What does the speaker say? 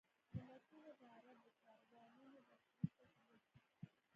له مکې نه د عربو کاروانونه بصرې ته تلل.